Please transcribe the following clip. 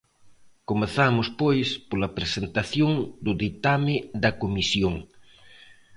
Comezamos, pois, pola presentación do ditame da comisión.